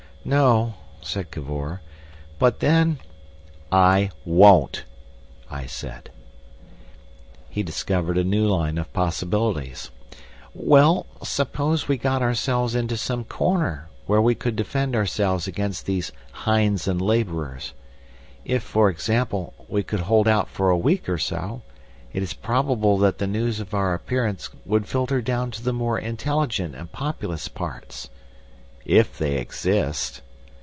"No," said Cavor; "but then—" "I won't," I said. He discovered a new line of possibilities. "Well, suppose we got ourselves into some corner, where we could defend ourselves against these hinds and labourers. If, for example, we could hold out for a week or so, it is probable that the news of our appearance would filter down to the more intelligent and populous parts—" "If they exist."